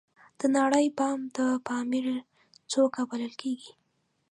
د نړۍ بام د پامیر څوکه بلل کیږي